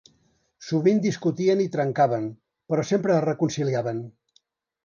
Sovint discutien i trencaven, però sempre es reconciliaven.